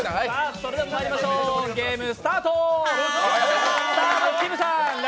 それではまいりましょう、ゲームスタート。